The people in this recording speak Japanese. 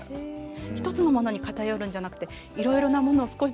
１つのものに偏るんじゃなくていろいろなものを少しずつ。